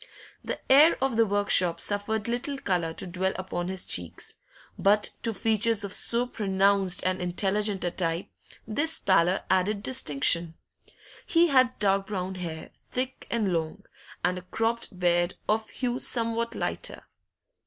The air of the workshop suffered little colour to dwell upon his cheeks; but to features of so pronounced and intelligent a type this pallor added a distinction. He had dark brown hair, thick and long, and a cropped beard of hue somewhat lighter.